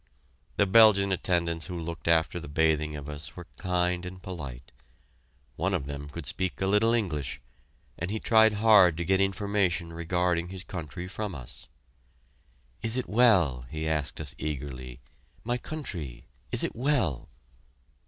The Belgian attendants who looked after the bathing of us were kind and polite. One of them could speak a little English, and he tried hard to get information regarding his country from us. "Is it well?" he asked us eagerly. "My country is it well?"